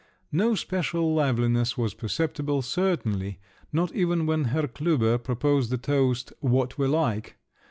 No special liveliness was perceptible, certainly; not even when Herr Klüber proposed the toast "What we like!"